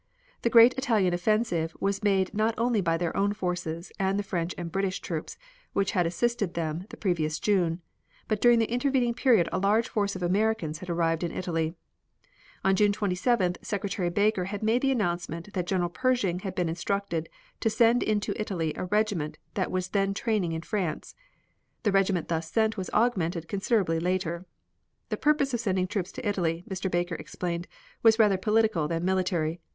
The great Italian offensive was made not only by their own forces and the French and British troops, which had assisted them the previous June, but during the intervening period a large force of Americans had arrived in Italy. On June 27th Secretary Baker had made the announcement that General Pershing had been instructed to send into Italy a regiment that was then in training in France. The regiment thus sent was augmented considerably later. The purpose of sending troops to Italy, Mr. Baker explained, was rather political than military.